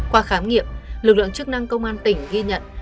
qua khám nghiệm lực lượng chức năng công an tỉnh ghi nhận